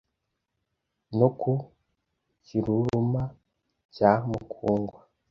No ku Kiruruma cya Mukungwa